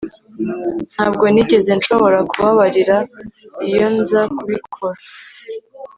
Ntabwo nigeze nshobora kubabarira iyo nza kubikora